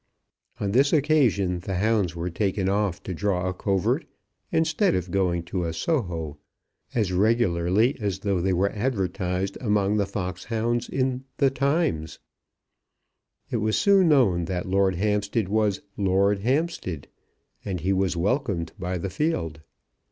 On this occasion the hounds were taken off to draw a covert instead of going to a so ho, as regularly as though they were advertised among the fox hounds in The Times. It was soon known that Lord Hampstead was Lord Hampstead, and he was welcomed by the field.